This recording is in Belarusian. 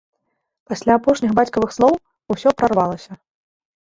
Пасля апошніх бацькавых слоў усё прарвалася.